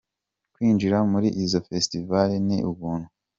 Kwinjira muri izo Festivals ni ubuntu.